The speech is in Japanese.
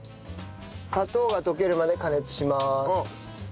砂糖が溶けるまで加熱します。